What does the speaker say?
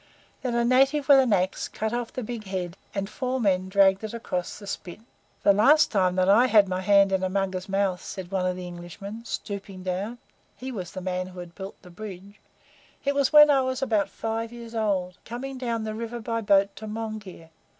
Then a native with an axe cut off the big head, and four men dragged it across the spit. "The last time that I had my hand in a Mugger's mouth," said one of the Englishmen, stooping down (he was the man who had built the bridge), "it was when I was about five years old coming down the river by boat to Monghyr.